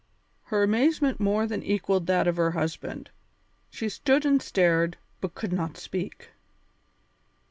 Her amazement more than equalled that of her husband; she stood and stared, but could not speak.